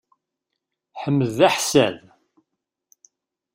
Ḥmed d aḥessad.